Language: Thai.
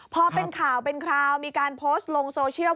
พอเป็นข่าวเป็นคราวมีการโพสต์ลงโซเชียล